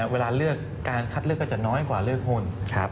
เวลาเลือกการคัดเลือกก็จะน้อยกว่าเลือกหุ้น